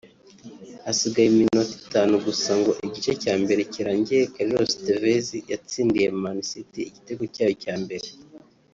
Hasigaye iminota itanu gusa ngo igice cya mbere kirangire Carlos Tevez yatsindiye Man City igitego cyayo cya mbere